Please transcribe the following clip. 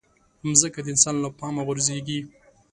مځکه د انسان له پامه غورځيږي.